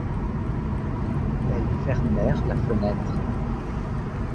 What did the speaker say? Elles fermèrent la fenêtre.